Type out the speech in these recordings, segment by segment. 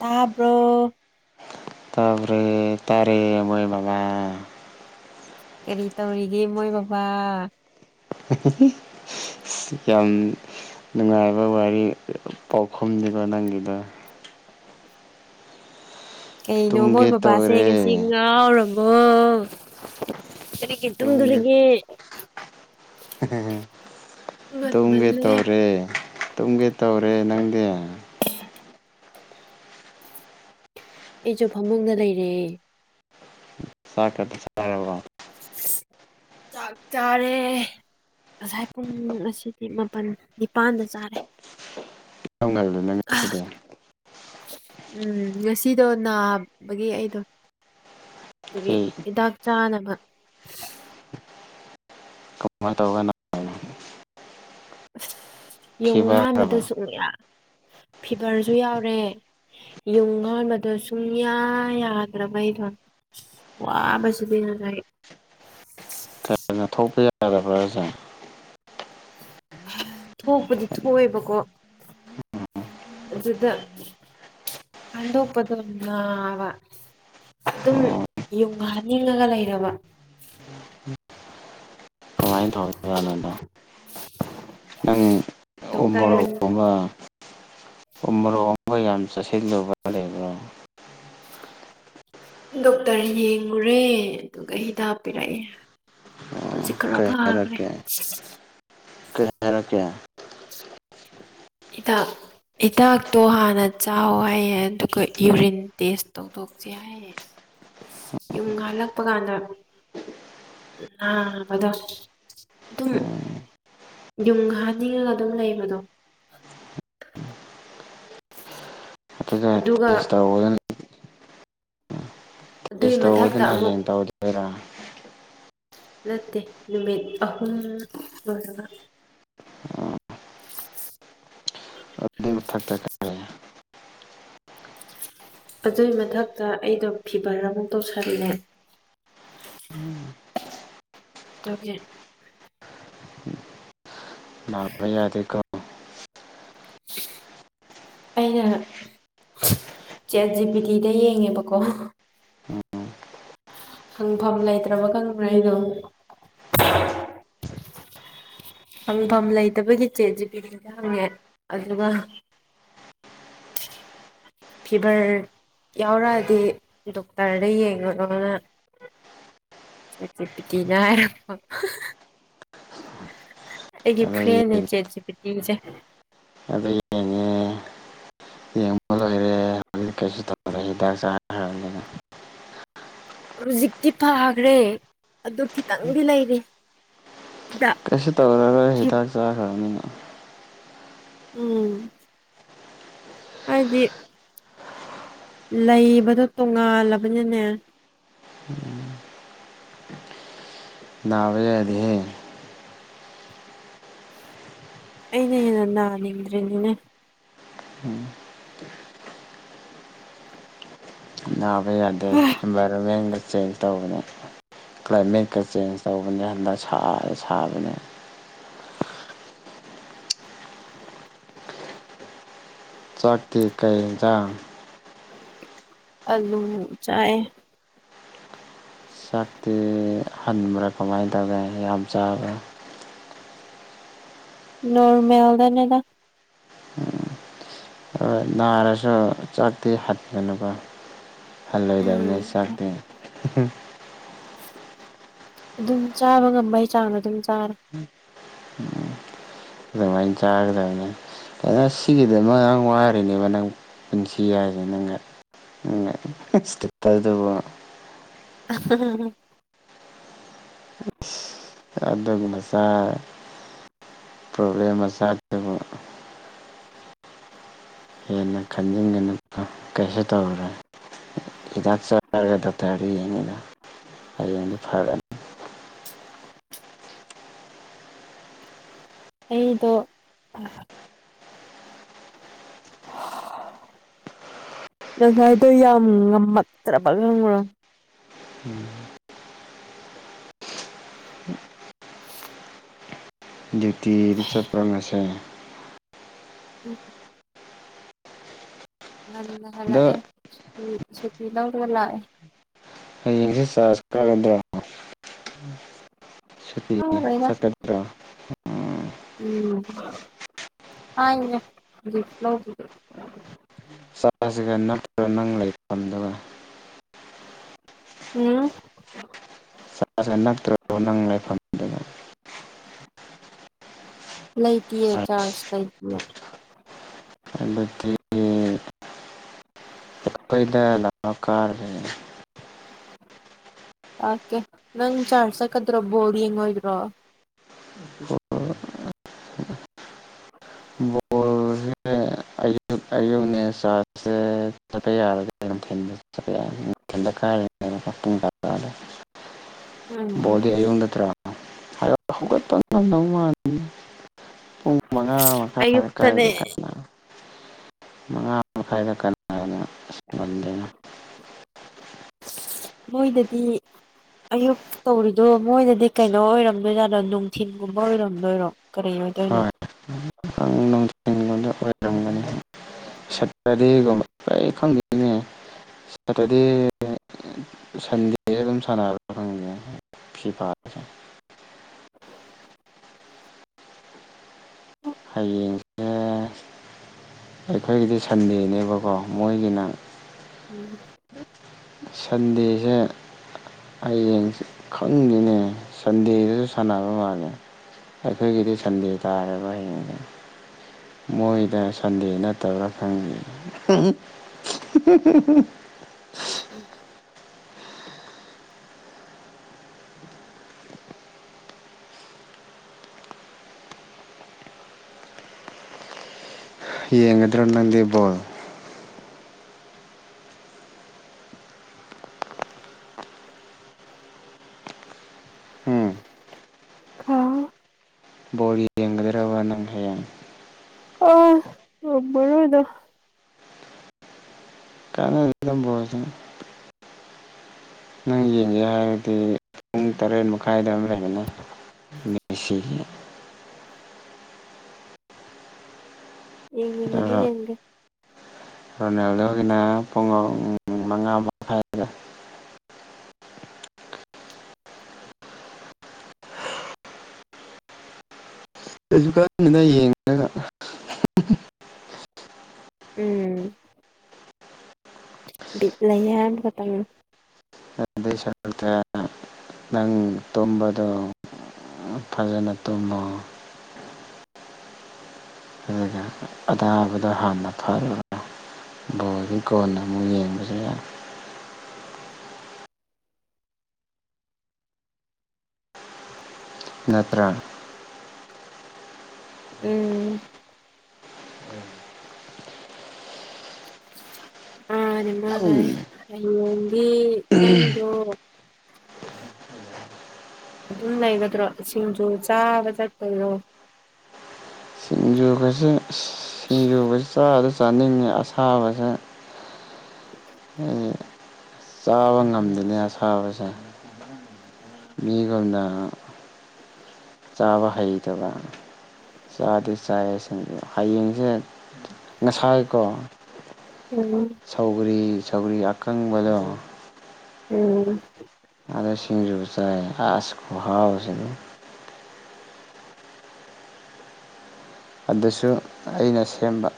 ꯇꯥꯕ꯭ꯔꯣ ꯇꯥꯕ꯭ꯔ ꯇꯥꯔꯦ ꯃꯣꯏ ꯃꯃꯥ ꯀꯔꯤ ꯇꯧꯔꯤꯒꯦ ꯃꯣꯏ ꯕꯕꯥ [inaudible] ꯌꯥꯝ ꯅꯨꯡꯉꯥꯏꯕ ꯋꯥꯔꯤ ꯄꯥꯎꯈꯨꯝꯅꯤꯒꯣ ꯅꯪꯒꯤꯗꯣ ꯀꯩꯅꯣ ꯃꯣꯏ ꯇꯨꯝꯒꯦ ꯕꯕꯥꯁꯦ ꯇꯧꯔꯦ ꯉꯁꯤ ꯉꯥꯎꯔꯕꯣ ꯀꯔꯤꯒꯤ ꯇꯨꯝꯒꯦ ꯇꯨꯝꯗꯨꯔꯤꯒꯦ ꯇꯨꯝꯒꯦ ꯉꯟꯃꯜꯂꯦ ꯇꯧꯔꯦ ꯇꯨꯝꯒꯦ ꯇꯧꯔꯦ ꯅꯪꯗꯤ ꯑꯩꯖꯨ ꯐꯃꯨꯡꯗ ꯂꯩꯔꯦ ꯆꯥꯛꯀ ꯆꯥꯔ ꯆꯥꯛ ꯆꯥꯔꯦ ꯉꯁꯥꯏ ꯄꯨꯡ ꯉꯁꯤꯗꯤ ꯃꯥꯄꯟ ꯅꯤꯄꯥꯟꯗ ꯆꯥꯔꯦ ꯀꯔꯝ ꯂꯩꯔꯤꯅꯣ ꯑ ꯉꯁꯤꯗꯤ ꯎꯝ ꯉꯁꯤꯗꯣ ꯅꯥꯕꯒꯤ ꯑꯩꯗꯣ ꯗꯨꯒꯤ ꯀꯔꯤ ꯍꯤꯗꯥꯛ ꯆꯥꯅꯕ ꯀꯃꯥꯏ ꯇꯧꯒꯅ ꯑꯁ ꯌꯨꯡ ꯍꯥꯟꯕꯗ ꯐꯤꯚꯔꯔꯕ ꯁꯨꯡꯌꯥ ꯐꯤꯚꯔꯁꯨ ꯌꯥꯎꯔꯦ ꯌꯨꯡ ꯍꯥꯟꯕꯗꯣ ꯁꯨꯡꯌꯥ ꯌꯥꯗ꯭ꯔꯕꯩꯗꯣ ꯋꯥꯕꯁꯤꯗꯤ ꯉꯖꯥꯏ ꯁꯥꯅ ꯊꯣꯛꯄ ꯌꯥꯗꯕ꯭ꯔꯥ ꯍꯥꯢꯖꯦ ꯊꯣꯛꯄꯗꯤ ꯊꯣꯛꯑꯦꯕꯀꯣ ꯑꯗꯨꯗ ꯍꯥꯟꯗꯣꯛꯄꯗꯣ ꯅꯥꯕ ꯑꯗꯨꯝ ꯑꯣ ꯌꯨꯡ ꯍꯥꯟꯅꯤꯡꯉꯒ ꯂꯩꯔꯕ ꯀꯃꯥꯏꯅ ꯇꯧ ꯔꯅꯗꯥ ꯎ ꯗꯣꯛꯇꯔ ꯔꯅ ꯎꯝꯃꯣ [unintelligible] ꯀꯌꯥꯝ ꯆꯥꯁꯤꯟꯂꯨꯕ ꯀ ꯂꯩꯕ꯭ꯔꯣ ꯗꯣꯛꯇꯔ ꯌꯦꯡꯉꯨꯔꯦ ꯑꯗꯨꯒ ꯍꯤꯗꯥꯛ ꯄꯤꯔꯛꯑꯦ ꯑꯣ ꯍꯨꯖꯤꯛ ꯈꯔ ꯀꯩ ꯐꯥꯈ꯭ꯔꯦ ꯍꯥꯏꯔꯛꯀꯦ ꯀꯩ ꯍꯥꯏꯔꯛꯀꯦ ꯍꯤꯗꯥꯛ ꯍꯤꯗꯥꯛꯇꯣ ꯍꯥꯟꯅ ꯆꯥꯎ ꯍꯥꯏꯌꯦ ꯑꯗꯨꯒ ꯌꯨꯔꯤꯟ ꯇꯦꯁ ꯇꯧ ꯊꯣꯛꯁꯦ ꯍꯥꯏꯌꯦ ꯌꯨꯡ ꯍꯥꯜꯂꯛꯄ ꯀꯥꯟꯗ ꯅꯥꯕꯗꯣ ꯗꯨꯝ ꯎꯝ ꯌꯨꯡ ꯍꯥꯥꯟꯅꯤꯡꯉꯒ ꯑꯗꯨꯝ ꯂꯩꯕꯗꯣ ꯑꯗꯨꯒ ꯑꯗꯨꯒ ꯇꯦꯁ ꯇꯧꯔꯒ ꯑꯗꯨꯏ ꯇꯦꯁ ꯃꯊꯛꯇ ꯇꯧꯕꯗꯨꯅ ꯑꯃꯨꯛ ꯍꯌꯦꯡ ꯇꯧꯗꯣꯏꯔꯥ ꯅꯠꯇꯦ ꯅꯨꯃꯤꯠ ꯑꯍꯨꯝ ꯂꯣꯟꯅꯅ ꯑꯣ ꯎꯝ ꯊꯛꯇꯥ [unintelligible] ꯑꯗꯨꯏ ꯃꯊꯛꯇ ꯑꯩꯗꯣ ꯐꯤꯚꯔ ꯑꯃꯨꯛ ꯇꯧꯁꯜꯂꯦ ꯇꯨꯀꯦ ꯅꯥꯕ ꯌꯥꯗꯦꯀꯣ ꯑꯩꯅ ꯆꯦꯠ ꯖꯤ ꯄꯤ ꯗꯤ ꯗꯥ ꯌꯦꯡꯉꯦꯕꯀꯣ ꯎꯝ ꯍꯪꯐꯝ ꯂꯩꯇ꯭ꯔꯥꯕ ꯈꯪꯕ꯭ꯔꯥ ꯑꯩꯗꯣ ꯍꯪꯐꯝ ꯂꯩꯇꯕꯒꯤ ꯆꯦꯠ ꯖꯤ ꯄꯤ ꯗꯤ ꯗꯥ ꯍꯪꯉꯦ ꯑꯗꯨꯒ ꯐꯤꯚꯔ ꯌꯥꯎꯔꯛꯑꯗꯤ ꯗꯣꯛꯇꯔꯗ ꯌꯦꯡꯉꯣꯅꯣꯅ ꯆꯦꯠ ꯖꯤ ꯄꯤ ꯇꯤ ꯅ ꯍꯥꯏꯔꯛꯄ ꯑꯩꯒꯤ ꯑꯗꯣ ꯐ꯭ꯔꯦꯟꯅꯦ ꯌꯦꯡ ꯆꯦꯠ ꯖꯤ ꯄꯤ ꯇꯤꯁꯦ ꯑꯗꯣ ꯌꯦꯡꯉꯦ ꯌꯦꯡꯕ ꯂꯣꯏꯔꯦ ꯀꯩꯁꯨ ꯇꯧ ꯑꯗꯩ ꯍꯤꯗꯥꯛ ꯆꯥ ꯍꯨꯖꯤꯛꯇꯤ ꯐꯒ꯭ꯔꯦ ꯑꯗꯨ ꯈꯤꯇꯪꯗꯤ ꯂꯩꯔꯤ ꯍꯤꯗꯥꯛ ꯀꯩꯁꯨ ꯇꯧꯔꯔꯣꯏ ꯍꯤꯗꯥꯛ ꯆꯥꯈ꯭ꯔꯥꯅꯤꯅ ꯎꯝ ꯍꯥꯏꯗꯤ ꯂꯩꯕꯗꯣ ꯇꯣꯉꯥꯜꯂꯕꯅꯤꯅꯦ ꯎꯝ ꯅꯥꯕ ꯌꯥꯗꯦꯍꯦ ꯑꯩꯅ ꯍꯦꯟꯅ ꯅꯅꯤꯡꯗ꯭ꯔꯤꯅꯤꯅꯦ ꯎꯝ ꯅꯥꯕ ꯌꯥꯗꯦ ꯍꯥ ꯏꯟꯚꯥꯏꯔꯣꯟꯃꯦꯟꯒ ꯆꯦꯟꯖ ꯇꯧꯕꯅꯦ ꯀ꯭ꯂꯥꯏꯃꯦꯠꯀꯥ ꯆꯦꯟꯖ ꯇꯧꯕꯅꯦ ꯍꯟꯗꯛ ꯁꯥꯔꯦ ꯁꯥꯕꯅꯦ ꯆꯥꯛꯇꯤ ꯀꯩ ꯍꯤꯟꯖꯥꯡ ꯑꯂꯨ ꯆꯥꯏ ꯆꯥꯛꯇꯤ ꯍꯟꯕ꯭ꯔꯥ ꯀꯃꯥꯏꯟ ꯇꯧꯒꯦ ꯌꯥꯝ ꯆꯥꯕ꯭ꯔꯥ ꯅꯣꯔꯃꯦꯜꯗꯅꯦꯗ ꯍꯣꯏ ꯅꯥꯔꯁꯨ ꯆꯥꯛꯇꯤ ꯍꯠꯒꯅꯨꯀꯣ ꯍꯜꯂꯣꯏꯗꯕꯅꯤ ꯎꯝ ꯆꯥꯛꯇꯤ ꯑꯗꯨꯝ ꯆꯥꯕ ꯉꯝꯕꯒꯤ ꯆꯥꯡꯗ ꯑꯗꯨꯝ ꯆꯥꯔꯦ ꯎꯝ ꯑꯗꯨꯃꯥꯏꯟ ꯆꯥꯒꯗꯕꯅꯦ [unintelligible] ꯁꯤꯒꯤꯗꯃꯛ ꯋꯥꯔꯤꯅꯦꯕ ꯅꯪ ꯄꯨꯟꯁꯤ ꯍꯥꯏꯖꯦ ꯅꯪꯒ [unintelligible] [unintelligible] ꯑꯗꯨꯒꯤ ꯃꯆꯥ ꯄ꯭ꯔꯣꯕꯂꯦꯝ ꯃꯆꯥ ꯗꯨꯕꯨ ꯍꯦꯟꯅ ꯈꯟꯖꯤꯟꯒꯅꯨꯀꯣ ꯀꯩꯁꯨ ꯇꯧꯔꯣꯏ ꯍꯤꯗꯥꯛ ꯆꯥꯔꯒ ꯗꯣꯛꯇꯔꯗ ꯌꯦꯡꯉꯦꯅ ꯍꯌꯦꯡꯗꯤ ꯐꯔꯥꯅꯤ ꯑꯩꯗꯣ ꯑꯥ [unintelligible] ꯉꯁꯥꯏꯗꯣ ꯌꯥꯝ ꯉꯝꯃꯛꯇ꯭ꯔꯥꯕ ꯉꯪꯉ꯭ꯔꯣ ꯎꯝ [inaudible] ꯇꯤꯗꯤ ꯆꯠꯄ꯭ꯔꯥ ꯉꯁꯦ ꯎꯝ ꯉꯟꯅ ꯑꯗꯣ ꯍꯜꯂꯛꯑꯦ ꯁꯨꯤꯇꯤ ꯁꯨꯇꯤ ꯂꯧꯔꯒ ꯂꯥꯛꯑꯦ ꯌꯦꯡꯁꯤ ꯆꯔꯆ ꯀꯥꯒꯗ꯭ꯔꯣ ꯁꯨꯇꯤ ꯀꯥꯎꯔꯦꯗ ꯆꯠꯀꯥꯗ꯭ꯔꯣ ꯎꯝ ꯍꯥꯏꯅꯦ ꯍꯧꯖꯤꯛ ꯂꯧꯕꯗꯣ ꯆꯆꯥꯁꯤꯒ ꯅꯠꯇ꯭ꯔꯒ ꯅꯪ ꯂꯩ ꯐꯝꯗꯕ ꯎꯝ ꯆꯥꯁ ꯅꯛꯇ꯭ꯔꯣ ꯅꯪ ꯂꯩꯐꯝ [unintelligible] ꯂꯩꯇꯤꯌꯦ ꯆꯥꯔꯖ ꯂꯩꯇꯦ ꯑꯗꯨꯗꯤ ꯑꯩꯈꯣꯏꯗ [unintelligible] ꯑꯣꯛꯀꯦ ꯅꯪ ꯆ꯭ꯔꯆ ꯆꯠꯀꯗ꯭ꯔꯣ ꯕꯣꯜ ꯌꯦꯡꯉꯣꯏꯗ꯭ꯔꯣ [inaudible] ꯕꯣꯜꯁꯦ ꯑꯌꯨꯛ ꯑꯌꯨꯛꯅꯦ ꯆꯥ꯭ꯔꯆꯁꯦ ꯆꯠꯄ ꯌꯥꯔꯒꯗꯤ ꯅꯨꯡꯊꯤꯜ ꯆꯠꯄ ꯌꯥꯒꯅꯤ [unintelligible] ꯎꯝ ꯕꯣꯜꯗꯤ ꯑꯌꯨꯛ ꯅꯠꯇ꯭ꯔꯣ ꯍꯌꯦꯡ ꯍꯧꯒꯠꯄ ꯉꯝꯗꯧ ꯃꯥꯟꯗꯦ ꯄꯨꯡ ꯃꯉꯥ ꯃꯈꯥꯏꯗ ꯑꯌꯨꯛꯇꯅꯦ ꯀꯥꯏꯗ ꯀꯥꯏꯅꯣ ꯃꯉꯥ ꯃꯈꯥꯏꯗ ꯀꯅꯥꯅ ꯑꯁ ꯉꯝꯗꯣꯏꯅꯣ ꯃꯣꯏꯗꯗꯤ ꯑꯌꯨꯛ ꯇꯧꯔꯤꯗꯣ ꯃꯣꯏꯗꯗꯤ ꯀꯩꯅꯣ ꯑꯣꯏꯔꯝꯗꯣꯏꯖꯥꯠꯗꯣ ꯅꯨꯡꯊꯤꯟꯒꯨꯝꯕ ꯑꯣꯏꯔꯝꯗꯣꯏꯔꯣ ꯀꯔꯤ ꯑꯣꯏ ꯍꯣꯏ ꯑꯣꯏꯔꯝꯒꯅꯤ ꯁꯇꯔꯗꯦꯒꯨꯝꯕ ꯑꯩ ꯈꯪꯗꯦꯅꯦ ꯁꯇꯔꯗꯦ ꯁꯟꯗꯦ ꯑꯗꯨꯝ ꯁꯥꯟꯔ ꯈꯪꯒꯅꯤ ꯐꯤꯐꯥꯗꯁꯨ ꯍꯌꯦꯡꯁꯦ ꯑꯩꯈꯣꯏꯒꯤꯗꯤ ꯁꯟꯗꯦꯅꯦꯕꯀꯣ ꯃꯣꯏꯒꯤꯅ ꯎꯝ ꯁꯟꯗꯦꯁꯦ ꯍꯌꯦꯡꯁꯦ ꯈꯪꯗꯦꯅꯦ ꯁꯟꯗꯦꯗꯁꯨ ꯁꯥꯟꯅꯕ ꯃꯥꯜꯂꯦ ꯑꯩꯈꯣꯏꯒꯤꯗꯤ ꯁꯟꯗꯦ ꯇꯥꯔꯦꯕ ꯍꯌꯦꯡꯖꯦ ꯃꯣꯏꯗ ꯁꯟꯗꯦ ꯅꯠꯇꯕ꯭ꯔ ꯈꯪꯗꯦ [inaudible] ꯌꯦꯡꯒꯗ꯭ꯔꯣ ꯅꯪꯗꯤ ꯕꯣꯜ ꯎꯝ [inaudible] ꯕꯣꯜ ꯌꯦꯡꯕꯗ [unintelligible] ꯉꯝꯃꯔꯣꯏꯗ [unintelligible] ꯅꯪ ꯌꯦꯡꯒꯦ ꯍꯥꯏꯔꯗꯤ ꯄꯨꯡ ꯇꯔꯦꯠ ꯃꯈꯥꯏꯗ ꯑꯃ ꯂꯩꯕꯅꯦ ꯃꯦꯁꯤꯒꯤ ꯌꯦꯡꯅꯤꯡꯉꯗꯤ ꯌꯦꯡꯒꯦ ꯔꯣꯅꯥꯟꯗꯣꯒꯤꯅ ꯄꯨꯡ ꯑꯍꯨꯝ ꯃꯉꯥ ꯃꯈꯥꯏꯗ ꯀꯩꯁꯨ ꯈꯟꯗꯦꯗ ꯌꯦꯡꯗ꯭ꯔꯦꯗ ꯎꯝ ꯕꯤꯠ ꯂꯩꯌꯦ ꯍꯥꯏꯕ ꯈꯇꯪ ꯑꯗꯨꯏ ꯁꯔꯨꯛꯇ ꯅꯪ ꯇꯝꯕꯗꯣ ꯐꯖꯅ ꯇꯨꯝꯃꯣ ꯑꯗꯨꯗ ꯑꯅꯥꯕꯗꯣ ꯍꯥꯟꯅ ꯐꯅꯕ ꯕꯣꯜꯒꯤ ꯀꯣꯟꯅ ꯑꯃꯨꯛ ꯌꯦꯡꯕꯁꯨ ꯌꯥꯏ ꯅꯠꯇ꯭ꯔꯥ ꯎꯝ ꯎꯝ ꯍꯌꯦꯟꯗꯤ ꯅꯪꯗꯣ ꯑꯗꯨꯝ ꯂꯩꯒꯗ꯭ꯔꯣ ꯁꯤꯡꯖꯨ ꯆꯥꯕ ꯆꯠꯄꯗꯣ ꯁꯤꯡꯖꯨꯒꯁꯦ ꯁꯤꯡꯖꯨꯒꯁꯦ ꯆꯥꯗ ꯆꯥꯅꯤꯡꯉꯦ ꯑꯁꯥꯕꯁꯦ ꯑꯝ ꯆꯥꯕ ꯉꯝꯗꯣꯏꯅꯦ ꯑꯁꯥꯕꯁꯦ ꯃꯤꯒꯨꯝꯅ ꯆꯥꯕ ꯍꯩꯇꯕ ꯆꯥꯗꯤ ꯆꯥꯏꯌꯦ ꯁꯤꯡꯖꯨ ꯍꯌꯦꯡꯁꯦ ꯉꯁꯥꯏꯀꯣ ꯎꯝ ꯁꯧꯒꯔꯤ ꯁꯧꯒꯔꯤ ꯑꯀꯪꯕꯗꯣ ꯎꯝ ꯑꯗ ꯁꯤꯡꯖꯨ ꯆꯥꯏ ꯑꯁ ꯈꯨꯍꯥꯎ ꯁꯤꯗꯤ ꯑꯗꯨꯁꯨ ꯑꯩꯅ ꯁꯦꯝꯕ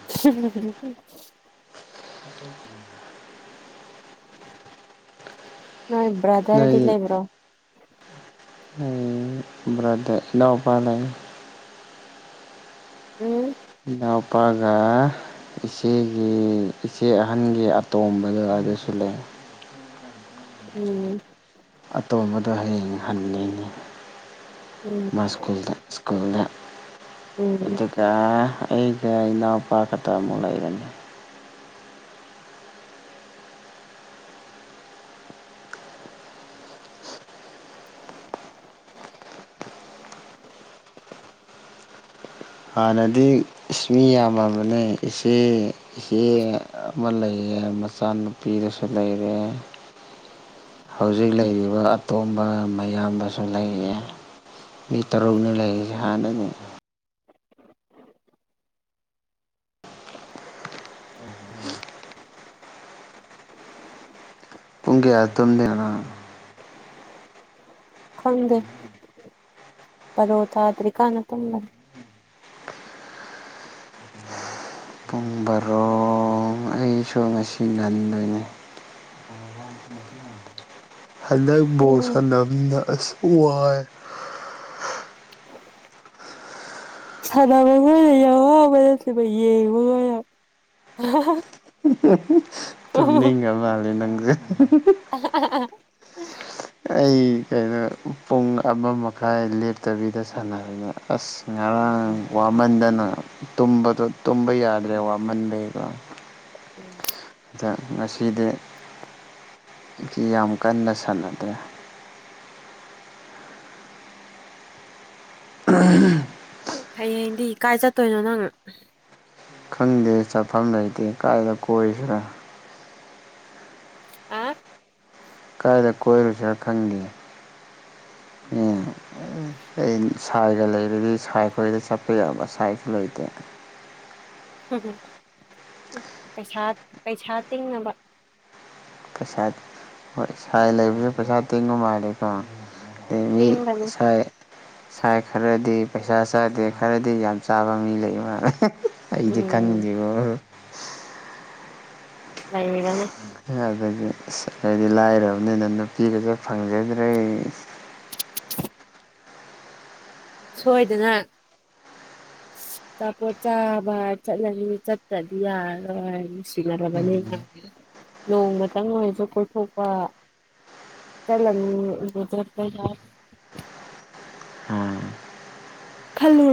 [unintelligible] ꯕ꯭ꯔꯗꯔꯗꯤ ꯅꯣꯏ ꯂꯩꯕ꯭ꯔꯣ ꯅꯣꯏ ꯕ꯭ꯔꯗꯔ ꯏꯅꯥꯎ ꯄꯥ ꯂꯩ ꯎꯝ ꯏꯅꯥꯎꯄꯥꯒ ꯏꯆꯦꯒꯤ ꯏꯆꯦ ꯑꯍꯟꯒꯤ ꯑꯇꯣꯝꯕꯗ ꯑꯗꯨꯁꯨ ꯂꯩ ꯎꯝ ꯑꯇꯣꯝꯕꯗꯣ ꯍꯌꯦꯡ ꯍꯟꯅꯤꯡꯉꯤ ꯎꯝ ꯃꯥ ꯁ꯭ꯀꯨꯜꯗ ꯁ꯭ꯀꯨꯜꯗ ꯎꯝ ꯑꯗꯨꯒ ꯑꯩꯒ ꯏꯅꯥꯎꯄꯥ ꯈꯛꯇ ꯑꯃꯨꯛ ꯂꯩꯔꯅꯤ ꯍꯥꯟꯅꯗꯤ ꯃꯤ ꯌꯥꯝꯃꯕꯅꯦ ꯏꯆꯦ ꯏꯆꯦ ꯑꯃ ꯂꯩꯌꯦ ꯃꯆꯥꯅꯨꯄꯤꯗꯁꯨ ꯂꯩꯔꯦ ꯍꯧꯖꯤꯛ ꯂꯩꯔꯤꯕ ꯑꯇꯣꯝꯕ ꯃꯌꯥꯝꯕꯁꯨ ꯂꯩꯌꯦ ꯃꯤ ꯇꯔꯨꯛꯅꯦ ꯂꯩꯥꯔꯤꯁꯦ ꯍꯥꯟꯅꯗꯒꯤ ꯄꯨꯡ ꯀꯌꯥ ꯇꯨꯝꯗꯦ ꯅꯪ ꯈꯪꯗꯦ ꯕꯔꯣ ꯊꯥꯗ꯭ꯔꯤꯀꯥꯟꯖ ꯇꯨꯝꯕ ꯄꯨꯡ ꯕꯥꯔꯣ ꯑꯩꯁꯨ ꯉꯁꯤ ꯉꯟꯗꯣꯏꯅꯤ [inaudible] ꯍꯟꯗꯛ ꯕꯣꯜ ꯎꯝ ꯁꯅꯕꯅꯤꯅ ꯑꯁ ꯋꯥꯏꯌꯦ ꯁꯥꯟꯅꯕꯕꯨ ꯌꯥꯝ ꯋꯥꯕ ꯅꯠꯇꯦꯗ ꯌꯦꯡꯕꯒꯅ ꯇꯨꯝꯅꯤꯡꯉ ꯃꯥꯂꯦ ꯅꯪꯁꯦ [unintelligible] ꯑꯩ ꯀꯩꯅꯣ ꯄꯨꯡ ꯑꯃ ꯃꯈꯥꯏ ꯂꯦꯞꯇꯕꯤꯗ ꯁꯥꯟꯅꯔꯅꯦ ꯑꯁ ꯑꯁ ꯉꯔꯥꯡ ꯋꯥꯃꯟꯗꯅ ꯇꯨꯝꯕꯗꯣ ꯇꯨꯝꯕ ꯌꯥꯗ꯭ꯔꯦ ꯋꯥꯃꯟꯕꯩꯗꯣ [unintelligible] ꯑꯗ ꯉꯁꯤꯗꯤ ꯁꯤ ꯌꯥꯝ ꯀꯟꯅ ꯁꯥꯟꯅꯗ꯭ꯔꯦ [unintelligible] ꯍꯌꯦꯡꯗꯤ ꯀꯥꯏ ꯆꯠꯇꯣꯏꯅꯣ ꯅꯪ ꯈꯪꯗꯦ ꯆꯥꯐꯝ ꯂꯩꯇꯦ ꯀꯥꯏꯗ ꯀꯣꯏꯁꯤꯔꯥ ꯑ ꯀꯥꯏꯗ ꯀꯣꯏꯔꯨꯁꯔ ꯈꯪꯗꯦ ꯎꯝ ꯑꯩ ꯁꯥꯏꯒ ꯂꯩꯔꯗꯤ ꯁꯥꯏ ꯈꯣꯏꯗ ꯆꯠꯄ ꯌꯥꯕ ꯁꯥꯏꯁꯨ ꯂꯩꯇꯦ꯫ ꯄꯩꯁꯥ ꯄꯩꯁꯥ ꯇꯤꯡꯅꯕ ꯄꯩꯁꯥ ꯍꯣꯏ ꯁꯥꯏ ꯂꯩꯕꯁꯨ ꯄꯩꯁꯥ ꯇꯤꯡꯕ ꯃꯥꯂꯦꯀꯣ꯫ ꯑꯦ ꯃꯤ ꯇꯤꯡꯒꯅꯤ ꯁꯥꯏ ꯁꯥꯏ ꯈꯔꯗꯤ ꯄꯩꯁꯥ ꯆꯥꯗꯦ ꯈꯔꯗꯤ ꯌꯥꯝ ꯆꯥꯕ ꯃꯤ ꯂꯩ ꯃꯥꯂꯦ꯫ ꯑꯩꯗꯤ ꯎꯝ ꯈꯟꯗꯦꯕꯣ ꯂꯩꯕꯅꯤ ꯑꯗꯨꯗꯤ ꯑꯩꯗꯤ ꯂꯥꯏꯔꯕꯅꯤꯅ ꯅꯨꯄꯤꯒꯁꯦ ꯐꯪꯖꯗ꯭ꯔꯦ꯫ ꯁꯣꯏꯗꯅ [unintelligible] ꯆꯥꯄꯣꯠ ꯆꯕ ꯆꯠꯂꯅꯤ ꯆꯠꯇꯗꯤ ꯌꯥꯔꯣꯏ ꯅꯨꯡꯁꯤ ꯅꯔꯕꯅꯤꯅ꯫ ꯅꯣꯡꯃꯇꯪ ꯑꯣꯏꯔꯁꯨ ꯀꯣꯏꯊꯣꯛꯄ [unintelligible] ꯎꯝ ꯈꯜꯂꯨ